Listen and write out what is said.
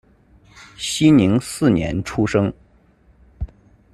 熙宁四年出生。